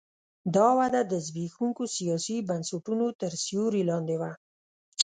دا وده د زبېښونکو سیاسي بنسټونو تر سیوري لاندې وه.